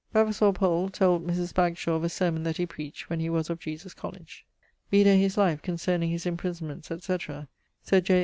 Vavasor Powell told Mris Bagshaw of a sermon that he preached when he was of Jesus College. Vide his Life concerning his imprisonments etc. 'Sir J.